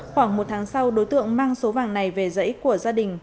khoảng một tháng sau đối tượng mang số vàng này về giấy của gia đình